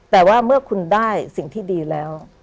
แต่ว่าเมื่อคุณได้สิ่งที่ดีแล้ว